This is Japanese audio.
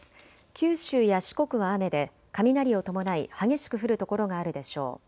九州や四国は雨で雷を伴い激しく降る所があるでしょう。